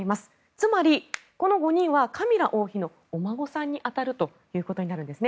つまり、この５人はカミラ王妃のお孫さんに当たるということになるんです。